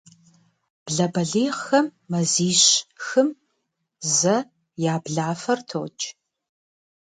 Блэ балигъхэм мазищ-хым зэ я блафэр токӏ.